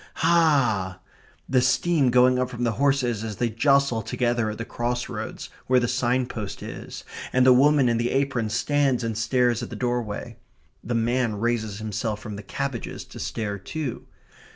Hah!" the steam going up from the horses as they jostle together at the cross roads, where the signpost is, and the woman in the apron stands and stares at the doorway. The man raises himself from the cabbages to stare too.